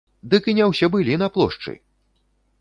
Дык і не ўсе былі на плошчы!